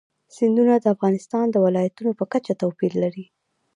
سیندونه د افغانستان د ولایاتو په کچه توپیر لري.